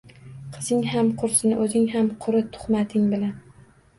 Qizing ham qursin, oʻzing ham quri tuhmating bilan.